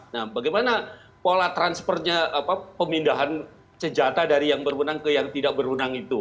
nah bagaimana pola transfernya pemindahan senjata dari yang berwenang ke yang tidak berwenang itu